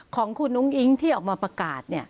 ของคุณอุ้งอิ๊งที่ออกมาประกาศ